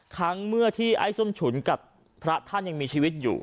ครั้งเมื่อที่ไอ้ส้มฉุนกับพระท่านยังมีชีวิตอยู่